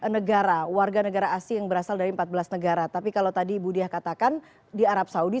empat belas negara warga negara asli yang berasal dari empat belas negara tapi kalau tadi budi katakan di arab saudi